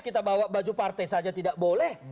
kita bawa baju partai saja tidak boleh